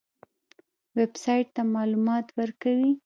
ویب سایټ څه معلومات ورکوي؟